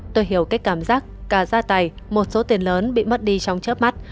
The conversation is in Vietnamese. tôi hiểu cái cảm giác cả gia tài một số tiền lớn bị mất đi trong chớp mắt